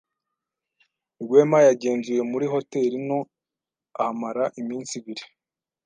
Rwema yagenzuye muri hoteri nto ahamara iminsi ibiri.